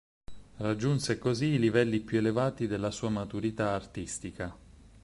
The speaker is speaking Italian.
Raggiunse così i livelli più elevati della sua maturità artistica.